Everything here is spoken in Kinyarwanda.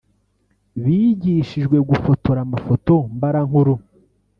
bigishijwe gufotora amafoto mbarankuru